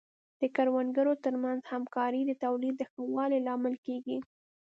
د کروندګرو ترمنځ همکاري د تولید د ښه والي لامل کیږي.